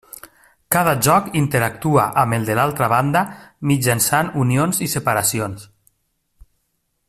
Cada joc interactua amb el de l'altra banda mitjançant unions i separacions.